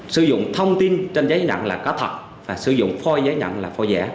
sử dụng thông tin trên giấy nặng là có thật và sử dụng phôi giấy nhận là phôi giả